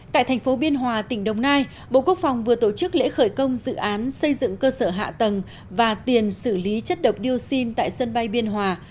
tại thành phố biên hòa tỉnh đồng nai bộ quốc phòng vừa tổ chức lễ khởi công dự án xây dựng cơ sở hạ tầng và tiền xử lý chất độc dioxin tại sân bay biên hòa